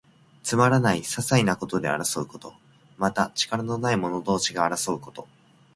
つまらない、ささいなことで争うこと。また、力のない者同士が争うこと。